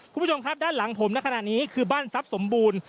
คุณผู้ชมครับด้านหลังผมในขณะนี้คือบ้านทรัพย์สมบูรณ์